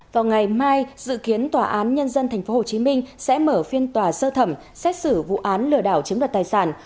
vào ngày mai dự kiến tòa án nhân dân tp hcm sẽ mở phiên tòa sơ thẩm xét xử vụ án lừa đảo chiếm đoạt tài sản